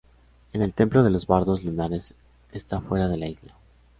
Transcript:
El templo de los Bardos Lunares está fuera de la Isla.